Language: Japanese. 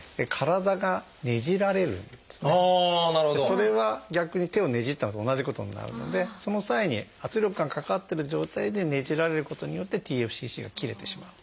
それは逆に手をねじったのと同じことになるのでその際に圧力がかかってる状態でねじられることによってＴＦＣＣが切れてしまう。